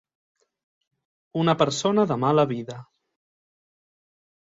Una persona de mala vida.